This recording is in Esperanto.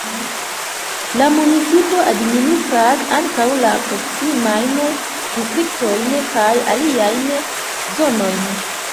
La municipo administras ankaŭ la proksimajn distriktojn kaj aliajn zonojn.